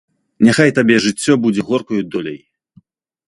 Няхай табе жыццё будзе горкаю доляй.